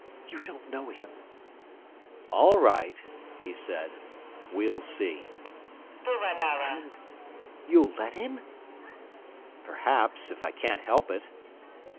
You don't know him." "All right," he said, "we'll see." "And you'll let him?" "Perhaps, if I can't help it."